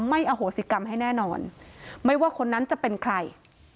อโหสิกรรมให้แน่นอนไม่ว่าคนนั้นจะเป็นใคร